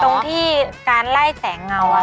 ตรงที่การไล่แสงเงา